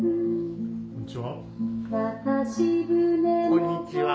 こんにちは。